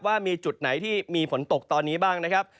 ว่ามีจุดไหนที่มีฝนตกตอนนี้บ้างนะครับ